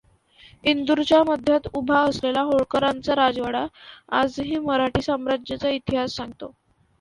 इंदूरच्या मध्यात उभा असलेला होळकरांचा राजवाडा आजही मराठी साम्राज्याचा इतिहास सांगतो.